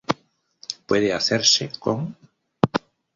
Puede hacerse con